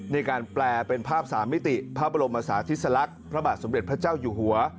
ในการแปลเป็นภาพสามมิติพระบรมศาธิสลักษณ์พระบาทสมเด็จพระเจ้าอยู่หัว